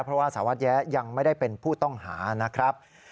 เพราะว่าสารวัตรแย้ยังไม่ได้เป็นผู้ต้องหานะครับ